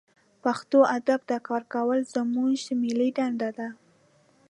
پښتو ادب ته کار کول زمونږ ملي دنده ده